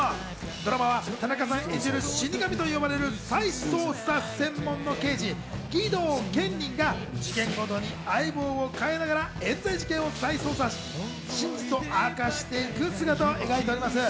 ドラマは田中さん演じる死神と呼ばれる再捜査専門の刑事、儀藤堅忍が事件ごとに相棒を変えながらえん罪事件を再捜査し真実を明かしていく姿を描いています。